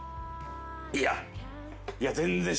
いや。